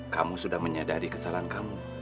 kamu sudah menyadari kesalahan kamu